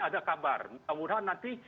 ada kabar kemudian nanti